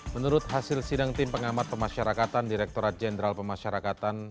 menurut hasil sidang tim pengamat pemasyarakatan direkturat jenderal pemasyarakatan